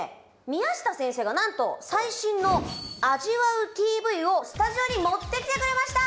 宮下先生がなんと「最新の味わうＴＶ」をスタジオに持ってきてくれました！